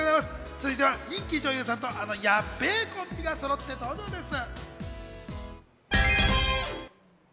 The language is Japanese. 続いては人気女優さんと、あのやっべぇコンビがそろって登場です。